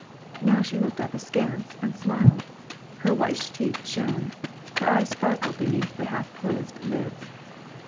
Now she looked up askance and smiled; her white teeth shone, her eyes sparkled beneath the half closed lids.